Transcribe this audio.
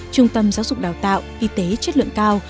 trung tâm giáo dục đào tạo y tế chất lượng cao